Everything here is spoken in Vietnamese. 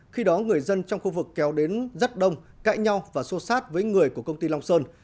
khi đó người dân trong khu vực kéo đến rất đông cãi nhau và xô sát với người của công ty long sơn